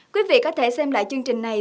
quý vị có thể xem lại chương trình này